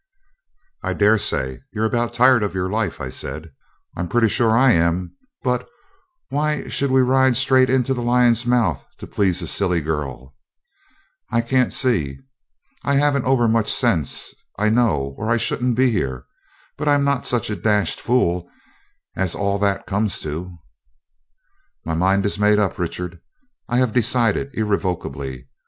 'I daresay you're about tired of your life,' I said. 'I'm pretty sure I am; but why we should ride straight into the lion's mouth, to please a silly girl, I can't see. I haven't over much sense, I know, or I shouldn't be here; but I'm not such a dashed fool as all that comes to.' 'My mind is made up, Richard I have decided irrevocably.